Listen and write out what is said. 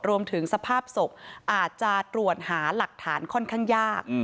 รวมถึงสภาพศพอาจจะตรวจหาหลักฐานค่อนข้างยาก